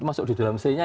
masuk di dalam c nya ya